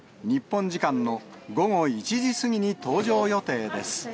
日本時間の午後１時過ぎに登場予定です。